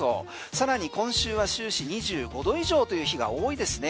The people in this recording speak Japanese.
更に今週は終始２５度以上という日が多いですね。